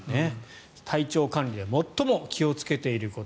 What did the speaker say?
体調管理で最も気をつけていること。